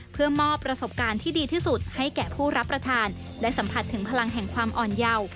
เพื่อมอบประสบการณ์ที่ดีที่สุดให้แก่ผู้รับประทานและสัมผัสถึงพลังแห่งความอ่อนเยาว์